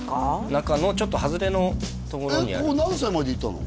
中のちょっと外れのところにここ何歳までいたの？